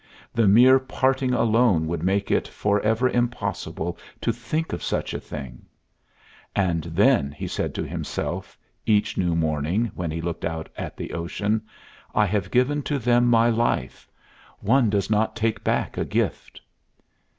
The mere parting alone would make it for ever impossible to think of such a thing. "And then," he said to himself each new morning, when he looked out at the ocean, "I have given to them my life. One does not take back a gift."